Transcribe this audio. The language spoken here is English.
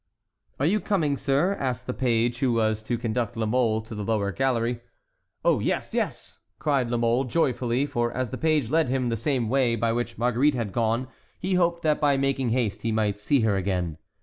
"Are you coming, sir?" asked the page who was to conduct La Mole to the lower gallery. "Oh, yes—yes!" cried La Mole, joyfully; for as the page led him the same way by which Marguerite had gone, he hoped that by making haste he might see her again.